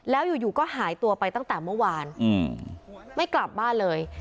แล้วอยู่ก็หายตัวไปตั้งแต่เมื่อวานไม่กลับบ้านเลย